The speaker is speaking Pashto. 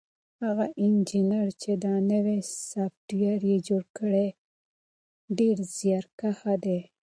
هغه انجنیر چې دا نوی سافټویر یې جوړ کړی ډېر زیارکښ دی.